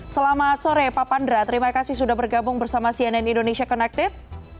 selamat sore pak pandra terima kasih sudah bergabung bersama cnn indonesia connected